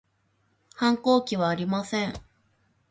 反抗期はありません